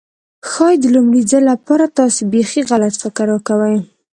ښايي د لومړي ځل لپاره تاسو بيخي غلط فکر کوئ.